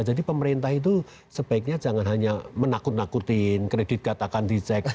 jadi pemerintah itu sebaiknya jangan hanya menakut nakutin kredit katakan dicek